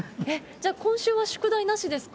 じゃあ今週は宿題なしですか？